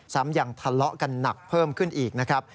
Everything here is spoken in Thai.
ซ้ำยังทะเลาะกันหนักเพิ่มขึ้นอีกนะครับ